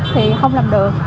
thì không làm được